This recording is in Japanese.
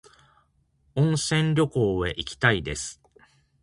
温泉旅行へ行きたいです。